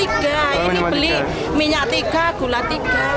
ini beli minyak rp tiga gula rp tiga